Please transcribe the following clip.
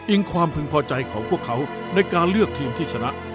ความพึงพอใจของพวกเขาในการเลือกทีมที่ชนะ